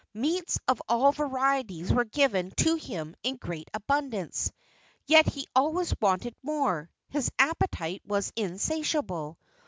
Meats of all varieties were given to him in great abundance, yet he always wanted more. His appetite was insatiable.